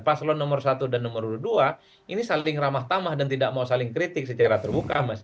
paslon nomor satu dan nomor urut dua ini saling ramah tamah dan tidak mau saling kritik secara terbuka mas